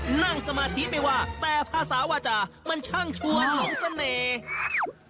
นั่งสมาธิไม่ว่าแต่ภาษาวาจามันช่างชวนหลงเสน่ห์